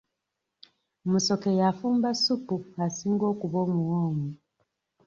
Musoke y'afumba ssupu asinga okuba omuwoomu.